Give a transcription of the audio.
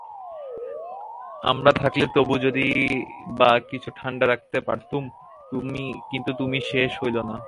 আমরা থাকলে তবু যদি-বা কিছু ঠাণ্ডা রাখতে পারতুম, কিন্তু সে তোমার সইল না।